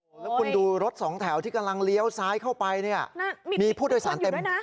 แล้วคุณดูรถสองแถวที่กำลังเลี้ยวซ้ายเข้าไปเนี่ยมีผู้โดยสารเต็มนะ